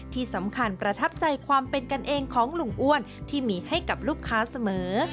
ที่สำคัญประทับใจความเป็นกันเองของลุงอ้วนที่มีให้กับลูกค้าเสมอ